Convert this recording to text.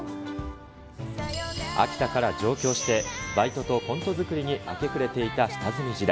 秋田から上京して、バイトとコント作りに明け暮れていた下積み時代。